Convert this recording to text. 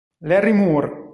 Larry Moore